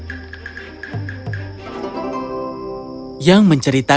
dia juga bertemu wanita tua itu